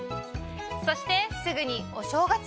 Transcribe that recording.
そしてすぐにお正月！